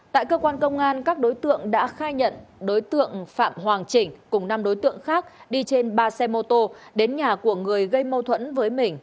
tại cơ quan công an các đối tượng đã khai nhận đối tượng phạm hoàng chỉnh cùng năm đối tượng khác đi trên ba xe mô tô đến nhà của người gây mâu thuẫn với mình